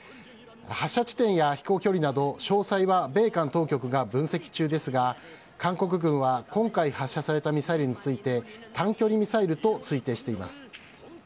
発射地点や、飛行距離など、詳細は米韓当局が分析中ですが、韓国軍は今回、発射されたミサイルについて、短距離ミサイルと推定しています。